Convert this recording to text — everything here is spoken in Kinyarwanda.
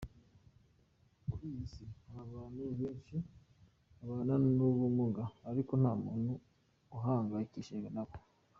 Kuri iyi si, hari abantu benshi babana n’ubumuga ariko ntamuntu uhangayikishijwe nabo.